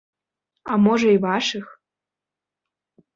А можа і вашых?